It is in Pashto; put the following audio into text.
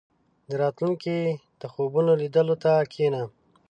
• د راتلونکي د خوبونو لیدلو ته کښېنه.